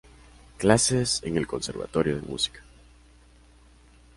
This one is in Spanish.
Clases en el Conservatorio de Música.